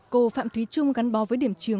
cô phạm thúy trung gắn bò với điểm trường